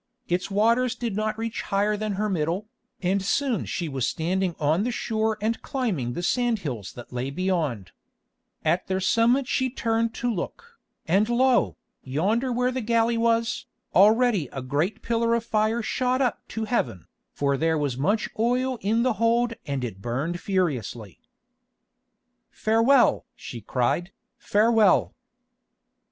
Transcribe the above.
Its waters did not reach higher than her middle, and soon she was standing on the shore and climbing the sandhills that lay beyond. At their summit she turned to look, and lo! yonder where the galley was, already a great pillar of fire shot up to heaven, for there was much oil in the hold and it burnt furiously. "Farewell!" she cried, "farewell!"